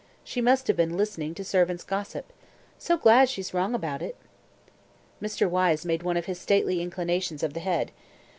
She must have been listening to servants' gossip. So glad she's wrong about it." Mr. Wyse made one of his stately inclinations of the head.